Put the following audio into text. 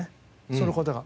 その事が。